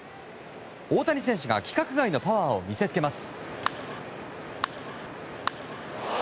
大谷選手が規格外のパワーを見せつけます。